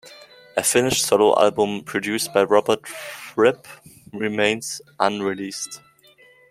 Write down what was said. A finished solo album, produced by Robert Fripp, remains unreleased.